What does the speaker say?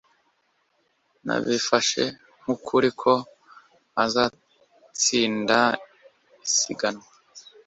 Nabifashe nkukuri ko azatsinda isiganwa